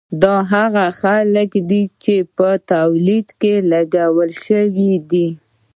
دا هغه کار دی چې په تولید لګول شوی دی